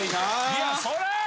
いやそら